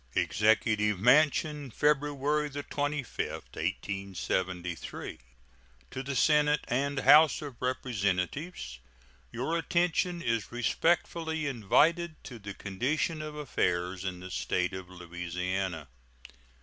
EXECUTIVE MANSION, February 25, 1873. To the Senate and House of Representatives: Your attention is respectfully invited to the condition of affairs in the State of Louisiana.